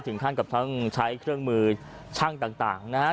ถึงขั้นกับทั้งใช้เครื่องมือช่างต่างนะฮะ